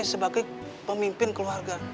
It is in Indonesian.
sebagai pemimpin keluarga